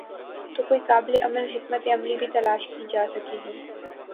تو کوئی قابل عمل حکمت عملی بھی تلاش کی جا سکے گی۔